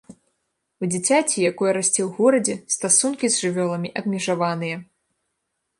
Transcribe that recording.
У дзіцяці, якое расце ў горадзе, стасункі з жывёламі абмежаваныя.